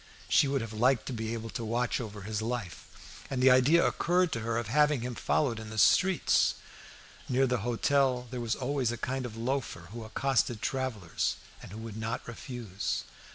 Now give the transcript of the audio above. She would have liked to be able to watch over his life; and the idea occurred to her of having him followed in the streets. Near the hotel there was always a kind of loafer who accosted travellers, and who would not refuse.